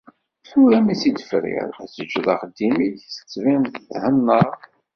Tura mi tt-tefriḍ ad teǧǧeḍ axeddim-ik, tettbineḍ thennaḍ.